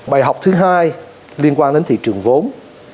bài học thứ hai liên quan đến thị trường vốn